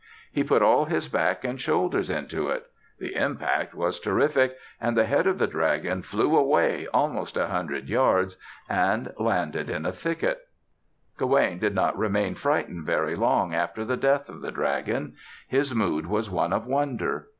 He put all his back and shoulders into it. The impact was terrific and the head of the dragon flew away almost a hundred yards and landed in a thicket. Gawaine did not remain frightened very long after the death of the dragon. His mood was one of wonder.